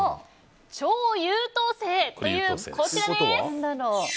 超優等生というこちらです。